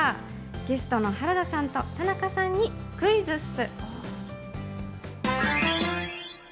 ゲストの原田さんと田中さんにクイズッス！